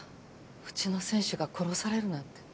うちの選手が殺されるなんて。